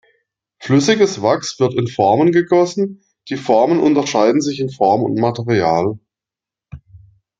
Flüssiges Wachs wird in Formen gegossen, die Formen unterscheiden sich in Form und Material.